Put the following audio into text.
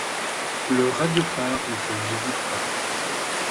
Le radiophare ne se visite pas.